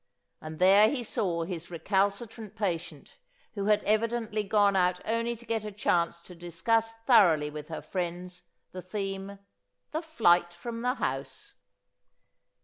And there he saw his recalcitrant patient who had evidently gone out only to get a chance to discuss thoroughly with her friends the theme: "The flight from the house."